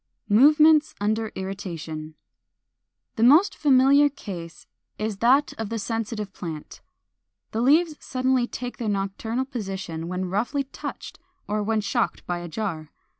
] 472. =Movements under Irritation.= The most familiar case is that of the Sensitive Plant (Fig. 490). The leaves suddenly take their nocturnal position when roughly touched or when shocked by a jar.